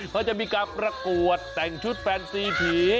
เขาจะมีการประกวดแต่งชุดแฟนซีผี